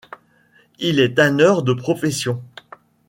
Il est tanneur de profession.